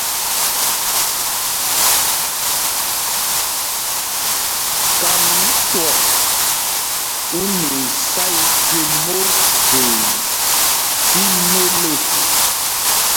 Kam swɔk u nɛ isá i jüe mot khul tí nôl ê.